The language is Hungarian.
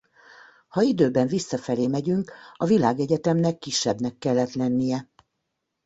Ha időben visszafelé megyünk a Világegyetemnek kisebbnek kellett lennie.